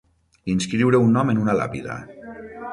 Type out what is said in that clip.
Inscriure un nom en una làpida.